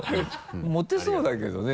モテそうだけどね